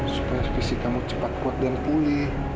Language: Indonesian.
supaya fisik kamu cepat kuat dan pulih